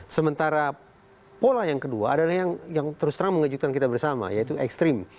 sementara pola yang kedua adalah yang terus terang mengejutkan kita bersama yaitu ekstrim